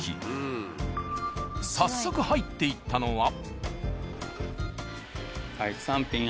早速入っていったのは。